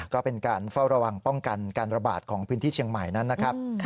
ก็เป็นการเฝ้าระวังป้องกันการระบาดของพื้นที่เชียงใหม่นั้นนะครับ